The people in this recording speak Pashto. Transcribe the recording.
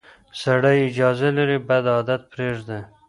سړی اجازه لري بد عادت پرېږدي.